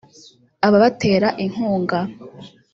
ababatera inkunga